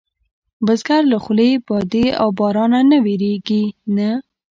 بزګر له خولې، بادې او بارانه نه وېرېږي نه